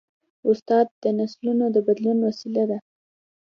استاد د نسلونو د بدلون وسیله ده.